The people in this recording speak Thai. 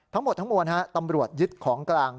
ทั้งหมดทั้งมวลตำรวจยึดของกลาง